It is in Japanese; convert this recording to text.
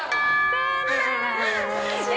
残念！